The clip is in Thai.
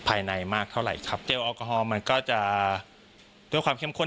ห่วงสำหรับภายในมากเท่าไหร่ครับเจลอลกอฮอล์มันก็จะด้วยความเข้มข้น